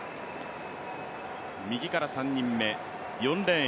右から３人目、４レーン